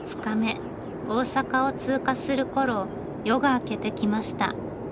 大阪を通過するころ夜が明けてきました。